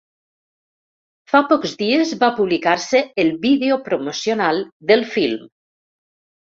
Fa pocs dies va publicar-se el vídeo promocional del film.